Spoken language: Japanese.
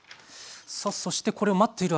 さあそしてこれを待っている間に？